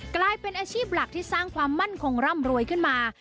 กลายเป็นอาชีพหลักที่สร้างความมั่นคงร่ำรวยขึ้นมา